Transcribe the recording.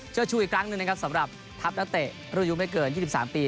เชื่อชู้อีกครั้งหนึ่งนะครับสำหรับทัพนัตเตะรูยุไม่เกิน๒๓ปี